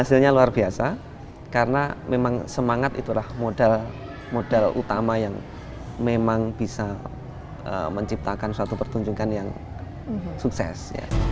hasilnya luar biasa karena memang semangat itulah modal utama yang memang bisa menciptakan suatu pertunjukan yang sukses